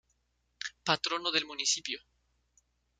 Patrono del Municipio.